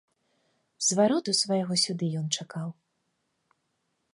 Звароту свайго сюды ён чакаў.